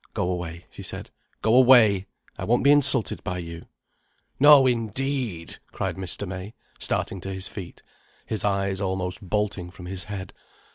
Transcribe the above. "Go away," she said. "Go away! I won't be insulted by you." "No indeed!" cried Mr. May, starting to his feet, his eyes almost bolting from his head.